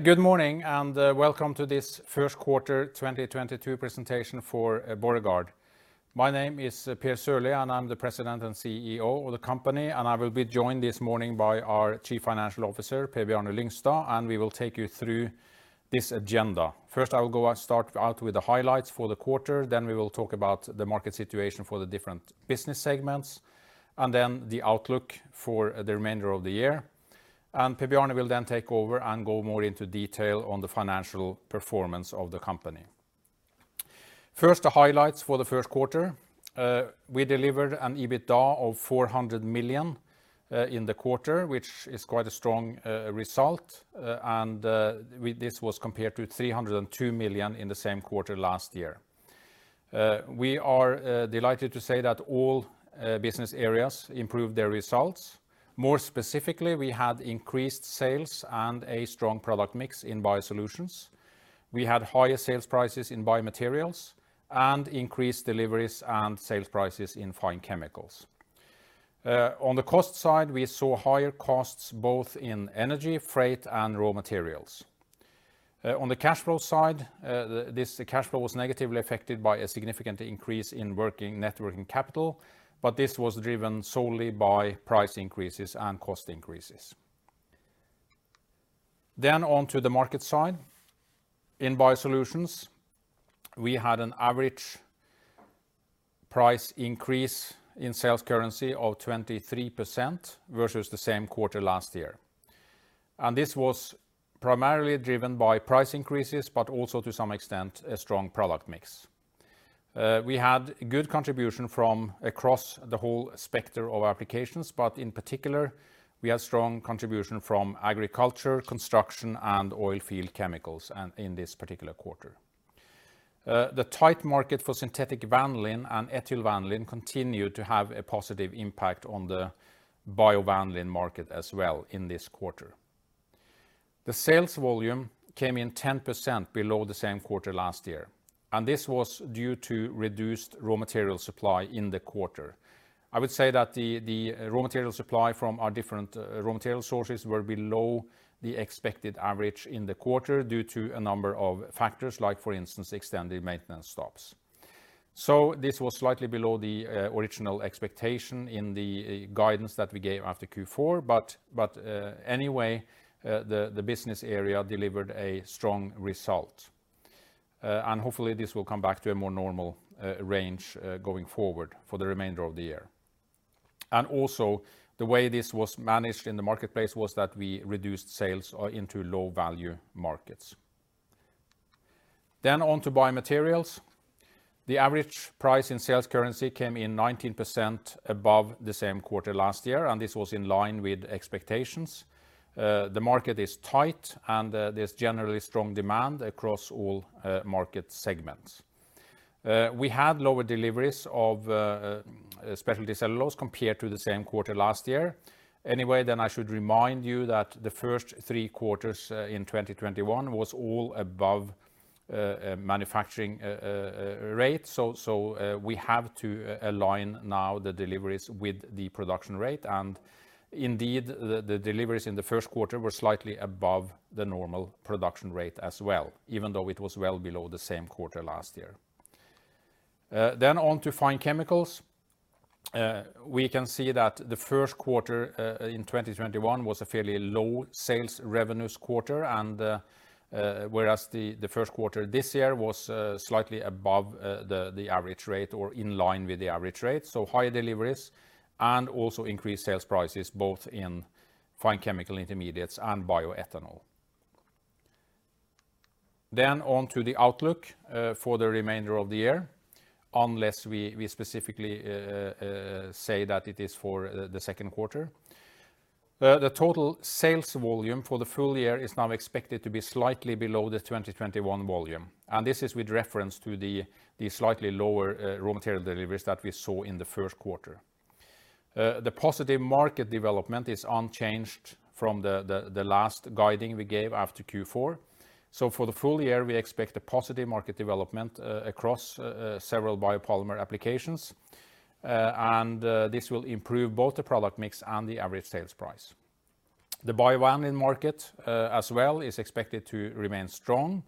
Good morning, and welcome to this first quarter 2022 presentation for Borregaard. My name is Per A. Sørlie, and I'm the President and CEO of the company, and I will be joined this morning by our Chief Financial Officer, Per Bjarne Lyngstad, and we will take you through this agenda. First, I will go and start out with the highlights for the quarter, then we will talk about the market situation for the different business segments, and then the outlook for the remainder of the year. Per Bjarne will then take over and go more into detail on the financial performance of the company. First, the highlights for the first quarter. We delivered an EBITDA of 400 million in the quarter, which is quite a strong result, and this was compared to 302 million in the same quarter last year. We are delighted to say that all business areas improved their results. More specifically, we had increased sales and a strong product mix in BioSolutions. We had higher sales prices in BioMaterials, and increased deliveries and sales prices in Fine Chemicals. On the cost side, we saw higher costs both in energy, freight, and raw materials. On the cash flow side, this cash flow was negatively affected by a significant increase in net working capital, but this was driven solely by price increases and cost increases. On to the market side. In BioSolutions, we had an average price increase in sales currency of 23% versus the same quarter last year. This was primarily driven by price increases, but also to some extent, a strong product mix. We had good contribution from across the whole spectrum of applications, but in particular, we had strong contribution from agriculture, construction, and oil field chemicals in this particular quarter. The tight market for synthetic vanillin and ethyl vanillin continued to have a positive impact on the biovanillin market as well in this quarter. The sales volume came in 10% below the same quarter last year, and this was due to reduced raw material supply in the quarter. I would say that the raw material supply from our different raw material sources were below the expected average in the quarter due to a number of factors, like for instance, extended maintenance stops. This was slightly below the original expectation in the guidance that we gave after Q4, but anyway, the business area delivered a strong result. Hopefully, this will come back to a more normal range going forward for the remainder of the year. The way this was managed in the marketplace was that we reduced sales into low-value markets. On to BioMaterials. The average price in sales currency came in 19% above the same quarter last year, and this was in line with expectations. The market is tight, and there's generally strong demand across all market segments. We had lower deliveries of specialty cellulose compared to the same quarter last year. Anyway, I should remind you that the first three quarters in 2021 was all above manufacturing rate. We have to align now the deliveries with the production rate. Indeed, the deliveries in the first quarter were slightly above the normal production rate as well, even though it was well below the same quarter last year. On to Fine Chemicals. We can see that the first quarter in 2021 was a fairly low sales revenues quarter, and whereas the first quarter this year was slightly above the average rate or in line with the average rate. Higher deliveries and also increased sales prices, both in fine chemical intermediates and bioethanol. On to the outlook for the remainder of the year, unless we specifically say that it is for the second quarter. The total sales volume for the full year is now expected to be slightly below the 2021 volume, and this is with reference to the slightly lower raw material deliveries that we saw in the first quarter. The positive market development is unchanged from the last guiding we gave after Q4. For the full year, we expect a positive market development across several biopolymer applications, and this will improve both the product mix and the average sales price. The biovanillin market as well is expected to remain strong,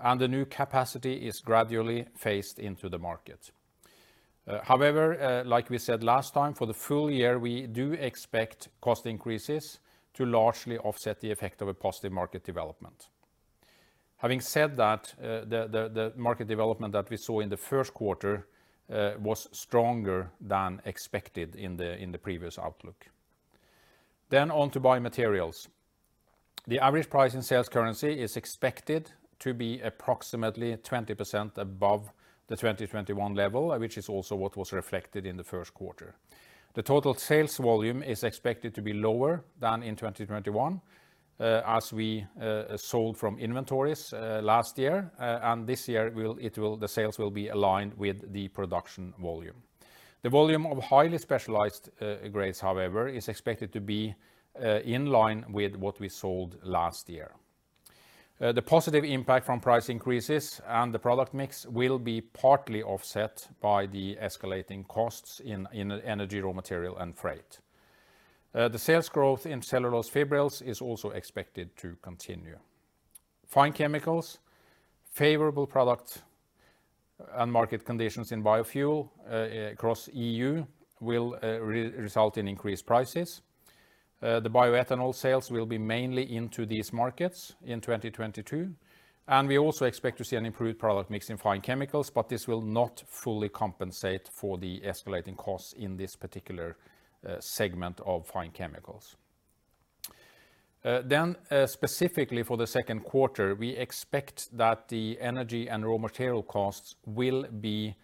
and the new capacity is gradually phased into the market. However, like we said last time, for the full year, we do expect cost increases to largely offset the effect of a positive market development. Having said that, the market development that we saw in the first quarter was stronger than expected in the previous outlook. On to BioMaterials. The average price in sales currency is expected to be approximately 20% above the 2021 level, which is also what was reflected in the first quarter. The total sales volume is expected to be lower than in 2021, as we sold from inventories last year, and this year, the sales will be aligned with the production volume. The volume of highly specialized grades, however, is expected to be in line with what we sold last year. The positive impact from price increases and the product mix will be partly offset by the escalating costs in energy, raw material, and freight. The sales growth in cellulose fibrils is also expected to continue. Fine Chemicals, favorable product and market conditions in biofuel across EU will result in increased prices. The bioethanol sales will be mainly into these markets in 2022, and we also expect to see an improved product mix in Fine Chemicals, but this will not fully compensate for the escalating costs in this particular segment of Fine Chemicals. Specifically for the second quarter, we expect that the energy and raw material costs will be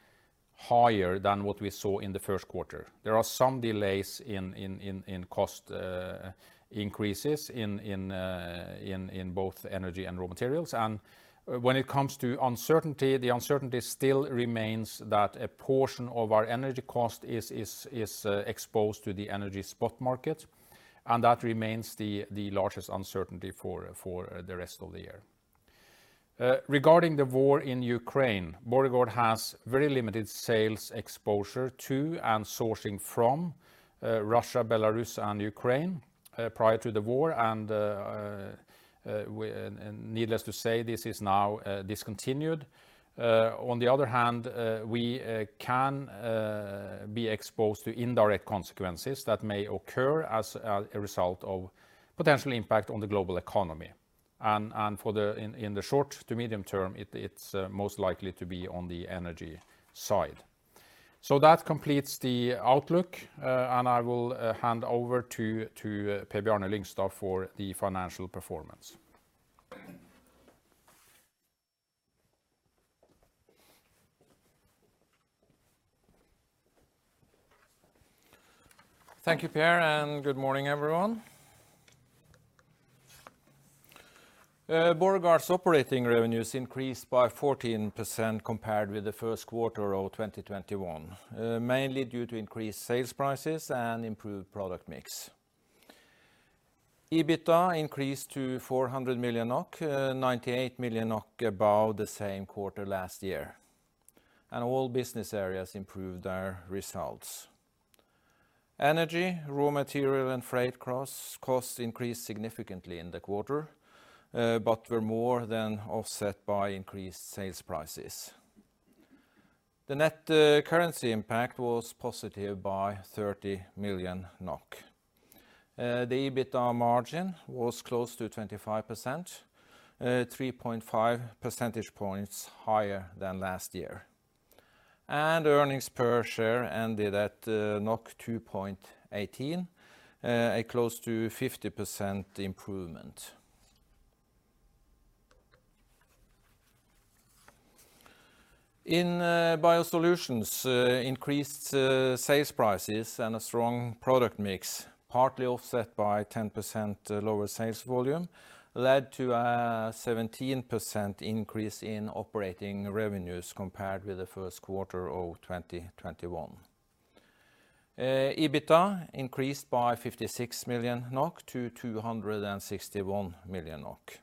higher than what we saw in the first quarter. There are some delays in cost increases in both energy and raw materials. When it comes to uncertainty, the uncertainty still remains that a portion of our energy cost is exposed to the energy spot market, and that remains the largest uncertainty for the rest of the year. Regarding the war in Ukraine, Borregaard has very limited sales exposure to and sourcing from Russia, Belarus, and Ukraine prior to the war and, needless to say, this is now discontinued. On the other hand, we can be exposed to indirect consequences that may occur as a result of potential impact on the global economy. In the short to medium term, it's most likely to be on the energy side. That completes the outlook, and I will hand over to Per Bjarne Lyngstad for the financial performance. Thank you, Per, and good morning, everyone. Borregaard's operating revenues increased by 14% compared with the first quarter of 2021, mainly due to increased sales prices and improved product mix. EBITDA increased to 400 million NOK, 98 million NOK above the same quarter last year. All business areas improved our results. Energy, raw material, and freight costs increased significantly in the quarter, but were more than offset by increased sales prices. The net currency impact was positive by 30 million NOK. The EBITDA margin was close to 25%, 3.5 percentage points higher than last year. Earnings per share ended at 2.18, a close to 50% improvement. In BioSolutions, increased sales prices and a strong product mix, partly offset by 10% lower sales volume, led to a 17% increase in operating revenues compared with the first quarter of 2021. EBITDA increased by 56 million NOK to 261 million NOK.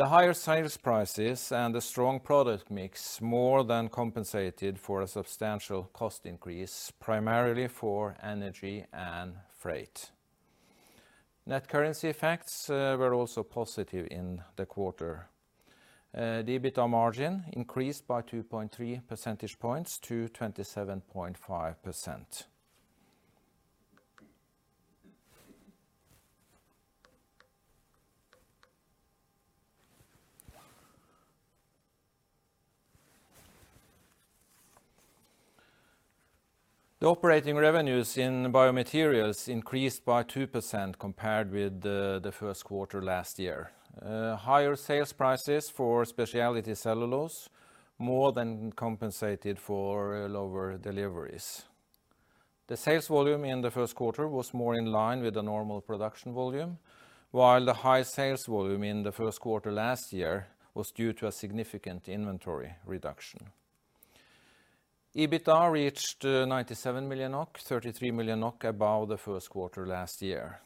The higher sales prices and the strong product mix more than compensated for a substantial cost increase, primarily for energy and freight. Net currency effects were also positive in the quarter. The EBITDA margin increased by 2.3 percentage points to 27.5%. The operating revenues in BioMaterials increased by 2% compared with the first quarter last year. Higher sales prices for specialty cellulose more than compensated for lower deliveries. The sales volume in the first quarter was more in line with the normal production volume, while the high sales volume in the first quarter last year was due to a significant inventory reduction. EBITDA reached 97 million NOK, 33 million NOK above the first quarter last year.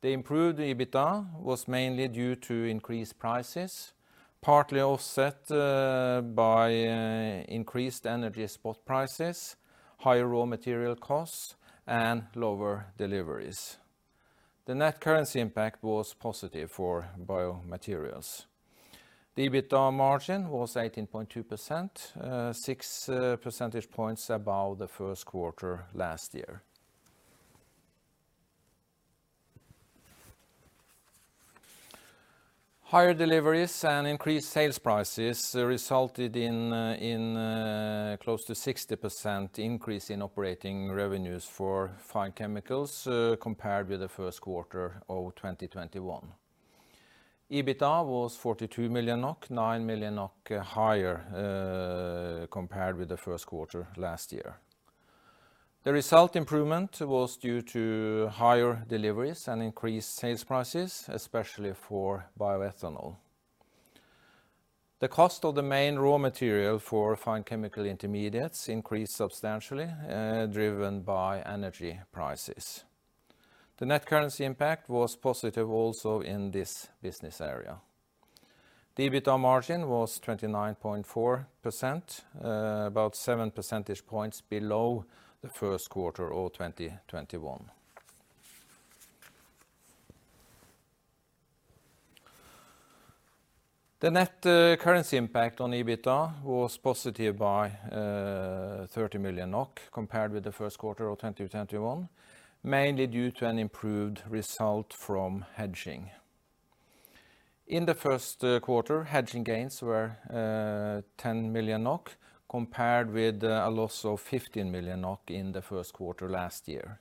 The improved EBITDA was mainly due to increased prices, partly offset by increased energy spot prices, higher raw material costs, and lower deliveries. The net currency impact was positive for BioMaterials. The EBITDA margin was 18.2%, six percentage points above the first quarter last year. Higher deliveries and increased sales prices resulted in close to 60% increase in operating revenues for Fine Chemicals, compared with the first quarter of 2021. EBITDA was 42 million NOK, 9 million NOK higher, compared with the first quarter last year. The result improvement was due to higher deliveries and increased sales prices, especially for bioethanol. The cost of the main raw material for fine chemical intermediates increased substantially, driven by energy prices. The net currency impact was positive also in this business area. The EBITDA margin was 29.4%, about seven percentage points below the first quarter of 2021. The net currency impact on EBITDA was positive by 30 million NOK compared with the first quarter of 2021, mainly due to an improved result from hedging. In the first quarter, hedging gains were 10 million NOK compared with a loss of 15 million NOK in the first quarter last year.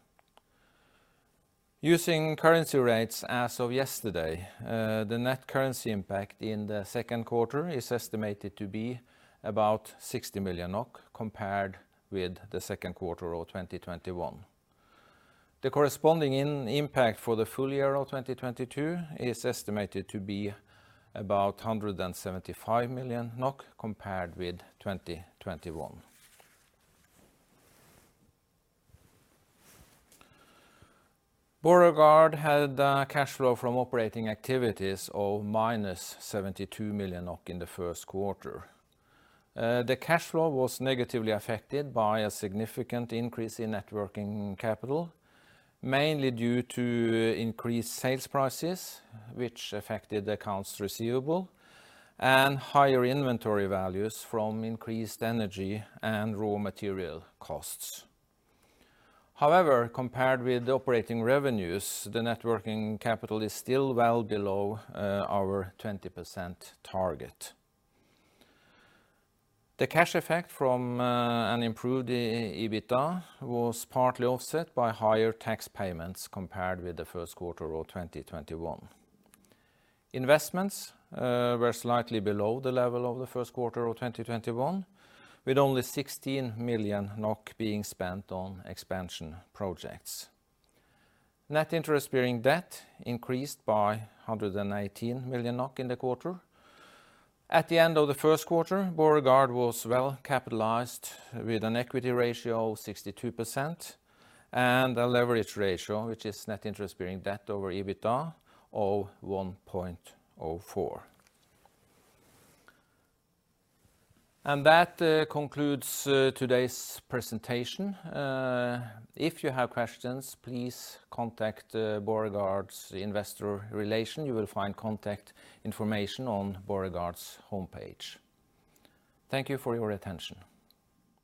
Using currency rates as of yesterday, the net currency impact in the second quarter is estimated to be about 60 million NOK compared with the second quarter of 2021. The corresponding impact for the full year of 2022 is estimated to be about 175 million NOK compared with 2021. Borregaard had cash flow from operating activities of -72 million NOK in the first quarter. The cash flow was negatively affected by a significant increase in net working capital, mainly due to increased sales prices which affected accounts receivable and higher inventory values from increased energy and raw material costs. However, compared with the operating revenues, the net working capital is still well below our 20% target. The cash effect from an improved EBITDA was partly offset by higher tax payments compared with the first quarter of 2021. Investments were slightly below the level of the first quarter of 2021, with only 16 million NOK being spent on expansion projects. Net interest-bearing debt increased by 118 million NOK in the quarter. At the end of the first quarter, Borregaard was well-capitalized with an equity ratio of 62% and a leverage ratio, which is net interest-bearing debt over EBITDA, of 1.04. That concludes today's presentation. If you have questions, please contact Borregaard's investor relations. You will find contact information on Borregaard's homepage. Thank you for your attention.